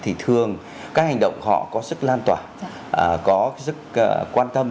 thì thường các hành động họ có sức lan tỏa có rất quan tâm